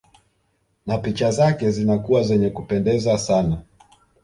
Na picha zake zinakuwa zenye kupendeza sana